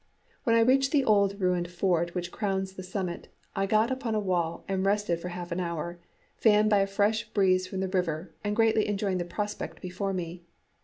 When I reached the old ruined fort which crowns the summit, I got upon a wall and rested for half an hour, fanned by a fresh breeze from the river and greatly enjoying the prospect before me.